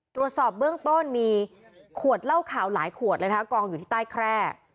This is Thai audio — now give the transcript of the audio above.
ตรวจสอบเบื้องต้นมีขวดเหล้าขาวหลายขวดเลยนะคะกองอยู่ที่ใต้แคร่